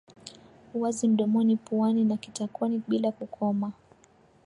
uwazi mdomoni puani na kitakoni bila kukoma